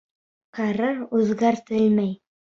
Ҡарар үҙгәртелмәй.